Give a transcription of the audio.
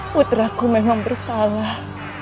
putraku memang bersalah